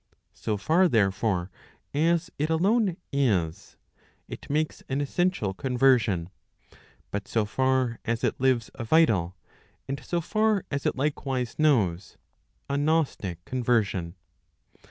So far there¬ fore as it alone is, it makes an essential conversion, but so far as it lives, a vital, and so far as it likewise knows, a gnostic conversion.